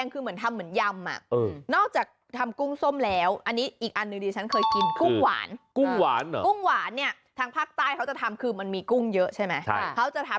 ประมาณราคาถุงละ๒๐๔๐บาท